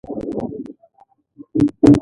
هنرمند یو خیال پرست موجود دی چې نړۍ ته تسلیمېږي.